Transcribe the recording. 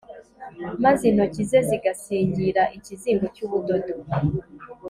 maze intoki ze zigasingira ikizingo cy'ubudodo